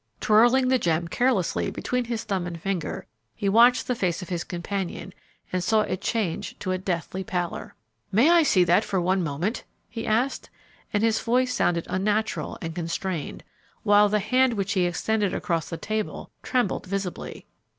Twirling the gem carelessly between his thumb and finger, he watched the face of his companion and saw it change to a deathly pallor. "May I see that for one moment?" he asked, and his voice sounded unnatural and constrained, while the hand which he extended across the table trembled visibly.